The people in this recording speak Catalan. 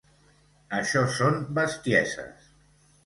Això són bestieses!